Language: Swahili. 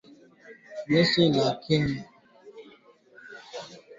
Wanajeshi wa kitengo cha anga Marekani wamepelekwa Poland.